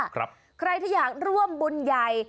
ใครที่อยากร่วมบุญใหญ่